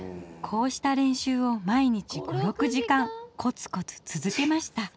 こうした練習を毎日５６時間コツコツ続けました。